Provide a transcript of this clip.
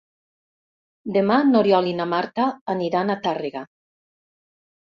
Demà n'Oriol i na Marta aniran a Tàrrega.